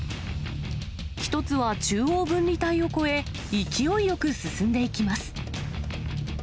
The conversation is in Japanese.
１つは中央分離帯を越え、勢いよく進んでいきます。